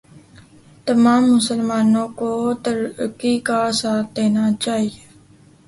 تمام مسلمانوں کو ترکی کا ساتھ دینا چاہئے